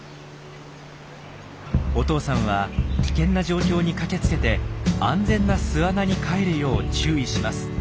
お父さんは危険な状況に駆けつけて安全な巣穴に帰るよう注意します。